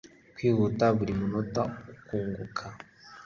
kwihuta buri munota ukanguka